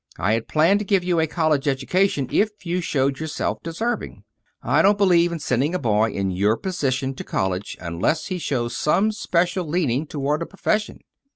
I had planned to give you a college education, if you showed yourself deserving. I don't believe in sending a boy in your position to college unless he shows some special leaning toward a profession."